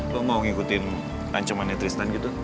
lo mau ngikutin ancemannya tristan gitu